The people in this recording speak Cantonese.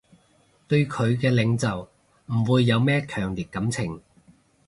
對佢嘅領袖唔會有咩強烈感情